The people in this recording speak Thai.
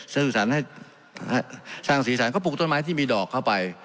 สร้างศรีษรรค์ให้สร้างศรีษรรค์ก็ปลูกต้นไม้ที่มีดอกเข้าไป